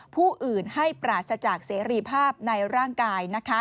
ผู้อื่นให้ปราศจากเสรีภาพในร่างกาย